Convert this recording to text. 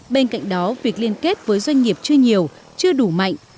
bên cạnh đó việc liên kết với doanh nghiệp chưa nhiều chưa đủ mạnh